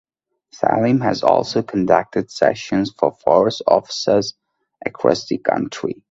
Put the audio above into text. Saleem has also conducted sessions for Forest officers across the country.